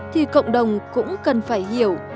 thì cộng đồng cũng cần phải hiểu